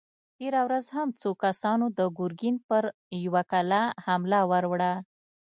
تېره ورځ هم څو کسانو د ګرګين پر يوه کلا حمله ور وړه!